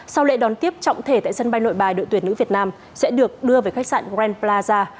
sau lễ đón tiếp trọng thể tại sân bay nội bài đội tuyển nữ việt nam sẽ được đưa về khách sạn green plaza